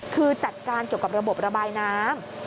คือจัดการเกี่ยวกับระบบระบายน้ำ